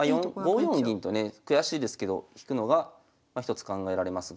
四銀とね悔しいですけど引くのが一つ考えられますが。